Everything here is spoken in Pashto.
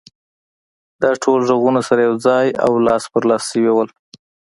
دا ټول غږونه سره يو ځای او لاس په لاس شوي وو.